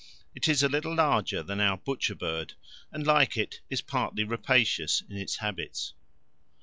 It is a little larger than our butcher bird and, like it, is partly rapacious in its habits.